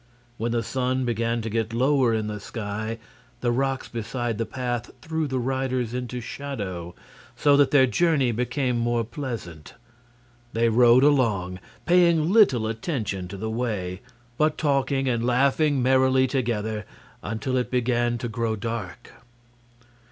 When the sun began to get lower in the sky the rocks beside the path threw the riders into shadow, so that their journey became more pleasant. They rode along, paying little attention to the way, but talking and laughing merrily together, until it began to grow dark.